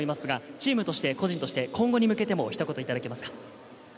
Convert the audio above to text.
チームとして個人として、今後に向けて、一言お願いします。